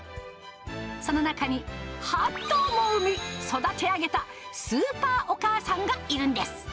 その中に８頭も産み育て上げたスーパーお母さんがいるんです。